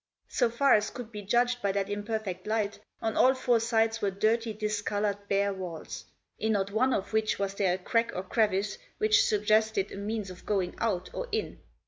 So far as could be judged by that imperfect light on all four sides were dirty, discoloured, bare walls, in not one of which was there a crack or crevice which suggested a means of going out or in.